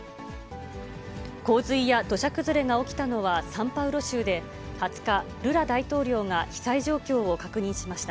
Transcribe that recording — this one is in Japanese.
洪水や土砂崩れが起きたのはサンパウロ州で、２０日、ルラ大統領が被災状況を確認しました。